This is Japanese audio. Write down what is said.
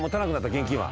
現金は。